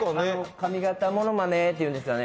髪形ものまねっていうんですかね。